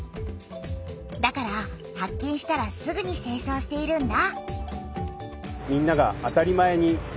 だから発見したらすぐにせいそうしているんだ。